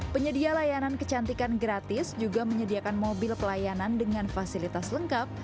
penyedia layanan kecantikan gratis juga menyediakan mobil pelayanan dengan fasilitas lengkap